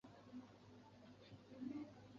壶穴是在河流上游经常出现的一种地理特征。